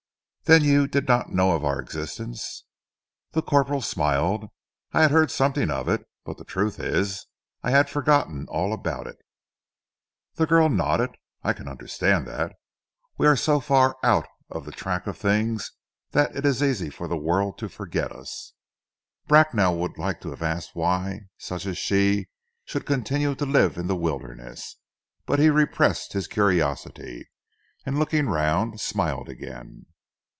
"Then you did not know of our existence?" The corporal smiled. "I had heard something of it; but the truth is I had forgotten all about it." The girl nodded. "I can understand that. We are so far out of the track of things that it is easy for the world to forget us." Bracknell would have liked to ask why such as she should continue to live in the wilderness; but he repressed his curiosity, and looking round smiled again.